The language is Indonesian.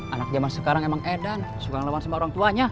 anak zaman sekarang emang edan suka ngelawan sama orangtuanya